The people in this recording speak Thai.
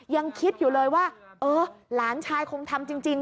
ยังคิดอยู่เลยว่าเออหลานชายคงทำจริง